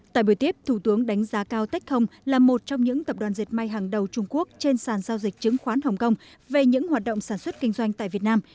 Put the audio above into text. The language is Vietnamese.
tại buổi tiếp thủ tướng đánh giá cao tech home là một trong những tập đoàn diệt may hàng đầu trung quốc trên sàn giao dịch chứng khoán hồng kông về những hoạt động sản xuất kinh doanh tại việt nam